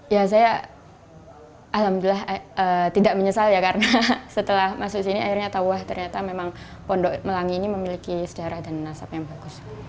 ya saya alhamdulillah tidak menyesal ya karena setelah masuk sini akhirnya tahu wah ternyata memang pondok melangi ini memiliki sedara dan asap yang bagus